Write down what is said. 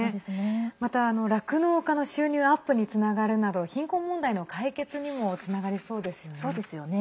また、酪農家の収入アップにつながるなど貧困問題の解決にもつながりそうですよね。